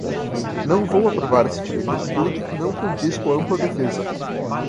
Não vou aprovar esse tipo de atitude que não condiz com a ampla defesa